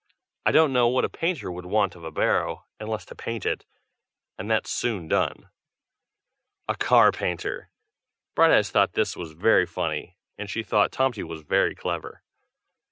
I don't know what a painter would want of a barrow, unless to paint it, and that's soon done." A car painter! Brighteyes thought that was very funny, and she thought Tomty was very clever.